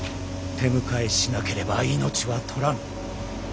手向かいしなければ命は取らぬ。